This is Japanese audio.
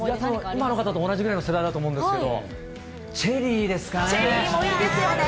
今の方と同じくらいの世代かと思うんですが、チェリーですかね。